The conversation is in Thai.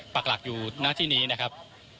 ปากหลักอยู่หน้าที่นี้นะครับ